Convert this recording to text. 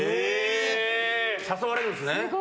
誘われるんですね。